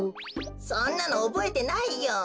そんなのおぼえてないよ。